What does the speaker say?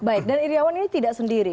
baik dan iryawan ini tidak sendiri